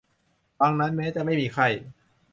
ดังนั้น แม้จะไม่มีไข้